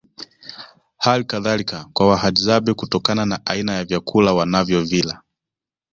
Hali kadhalika kwa Wahadzabe kutokana na aina ya vyakula wanavyovila